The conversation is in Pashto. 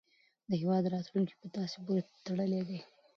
د هیواد راتلونکی په تاسې پورې تړلی دی.